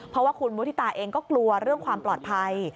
เพราะว่าคุณมุฒิตาเองก็กลัวเรื่องความปลอดภัย